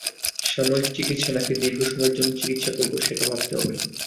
সাময়িক চিকিৎসা, নাকি দীর্ঘ সময়ের জন্য চিকিৎসা করব, সেটা ভাবতে হবে।